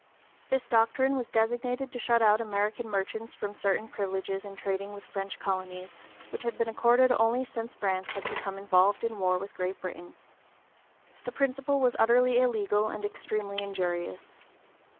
This doctrine was designed to shut out American merchants from certain privileges in trading with French colonies, which had been accorded only since France had become involved in war with Great Britain. The principle was utterly illegal and extremely injurious.